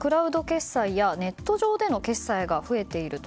最近はクラウド決済やネット上での決済が増えていると。